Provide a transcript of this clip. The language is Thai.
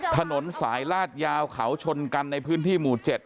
ถนนสายลาดยาวเขาชนกันในพื้นที่หมู่๗